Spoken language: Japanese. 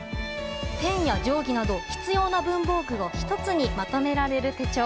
ペンや定規など必要な文豪具を１つにまとめられる手帳。